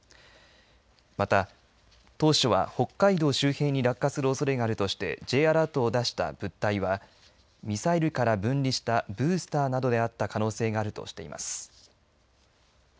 また、当初は北海道周辺に落下するおそれがあるとしてＪアラートを出した物体はミサイルから分離したブースターなどであった可能性があるとしています。